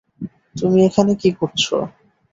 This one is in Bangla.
তুমি এখানে কী করছ?